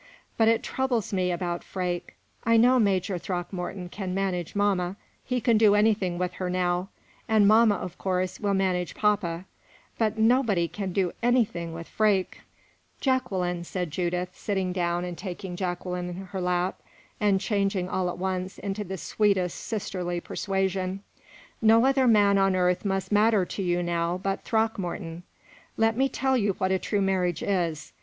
"But it troubles me about Freke. I know Major Throckmorton can manage mamma he can do anything with her now; and mamma, of course, will manage papa; but nobody can do anything with Freke." "Jacqueline," said Judith, sitting down and taking Jacqueline in her lap, and changing all at once into the sweetest sisterly persuasion, "no other man on earth must matter to you now but Throckmorton. Let me tell you what a true marriage is.